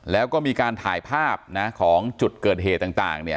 แล้วก็มีการถ่ายภาพของจุดเกิดเหตุต่างเนี่ย